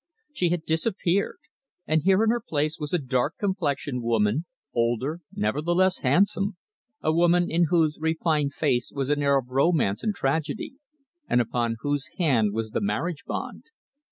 She had disappeared, and here in her place was a dark complexioned woman, older, nevertheless handsome a woman in whose refined face was an air of romance and tragedy, and upon whose hand was the marriage bond.